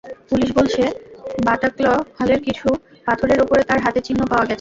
Police বলছে, Bataclan হলের কিছু পাথরের ওপরে তাঁর হাতের চিহ্ন পাওয়া গেছে।